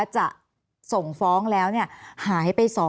จะส่งฟ้องแล้วเนี่ยหายไป๒